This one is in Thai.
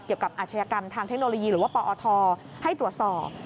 อาชญากรรมทางเทคโนโลยีหรือว่าปอทให้ตรวจสอบ